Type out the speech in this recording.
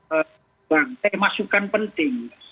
untuk membangkitkan masukan penting